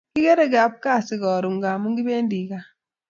Kikere kapkasi karon ngamun kipendi kaa